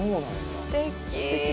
すてき。